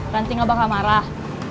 ranti gak bakal marah